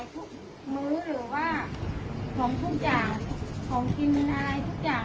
อยากรับส่งของด้วยกันอะไรทุกอย่าง